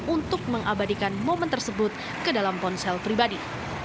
untuk mengabadikan momen tersebut ke dalam ponsel pribadi